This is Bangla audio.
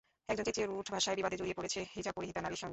একজন চেঁচিয়ে রূঢ় ভাষায় বিবাদে জড়িয়ে পড়েছে হিজাব পরিহিতা নারীর সঙ্গে।